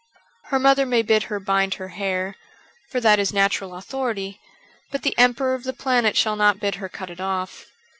Her mother may bid her bind her hair, for that is natural authority ; but the Emperor of the Planet shall not bid her cut it off.